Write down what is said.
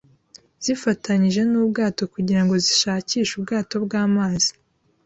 zifatanije nubwato kugirango zishakishe ubwato bwamazi